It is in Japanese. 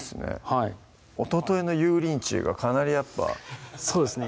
はいおとといの「油淋鶏」がかなりやっぱそうですね